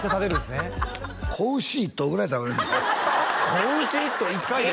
子牛１頭１回で？